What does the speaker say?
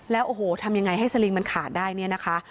แล้วโอ้โหทำยังไงให้สลิงมันขาดได้เนี่ยนะคะ